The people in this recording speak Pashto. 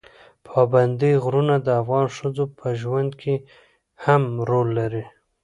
پابندي غرونه د افغان ښځو په ژوند کې هم رول لري.